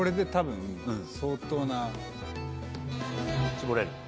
絞れる？